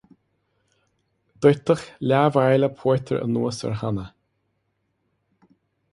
Doirteadh leathbhairille pórtair anuas ar Hannah.